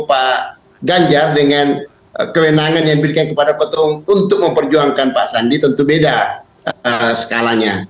pak ganjar dengan kewenangan yang diberikan kepada ketua umum untuk memperjuangkan pak sandi tentu beda skalanya